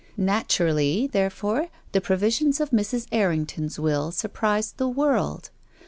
Naturally, therefore, the provisions of Mrs. Errington's w ill surprised the world.